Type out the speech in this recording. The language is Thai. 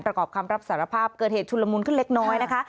ประกอบคำรับสารภาพเกิดเหตุชุนละมุนขึ้นเล็กน้อยนะคะ